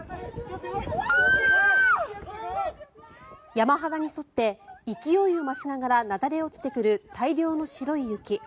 山肌に沿って勢いを増しながらなだれ落ちてくる大量の白い雪。